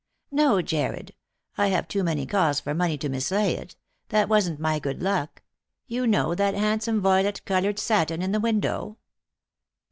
" No, Jarred. I have too many calls for money to mislay it. That wasn't my good luck. You know that handsome voylet coloured satin in the window